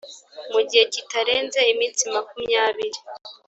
mu gihe kitarenze iminsi makumyabiri